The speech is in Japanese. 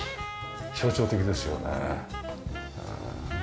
象徴的ですよね。